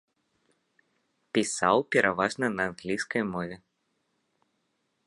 Пісаў пераважна на англійскай мове.